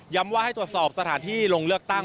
ว่าให้ตรวจสอบสถานที่ลงเลือกตั้ง